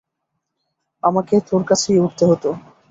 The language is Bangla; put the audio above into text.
আমাকে তোর কাছেই উঠতে হতো।